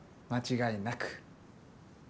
間違いなく。